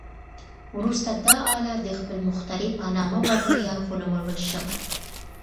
وروسته دا آله د خپل مخترع په نامه ورنیه ونومول شوه.